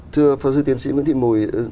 thưa phó giáo sư tiến sĩ nguyễn thị mùi